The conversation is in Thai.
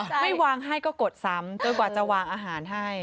ไม่วางให้ก็กดซ้ำจนกว่าจะวางอาหารให้